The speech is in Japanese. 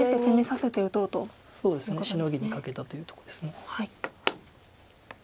シノギに懸けたというとこです。